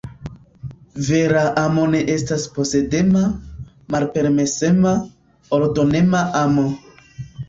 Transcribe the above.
Vera amo ne estas posedema, malpermesema, ordonema amo.